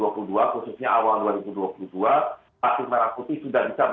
vaksin merah putih sudah bisa berkontribusi terhadap program vaksinasi di indonesia